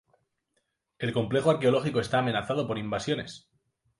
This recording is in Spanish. El complejo arqueológico está amenazado por invasiones.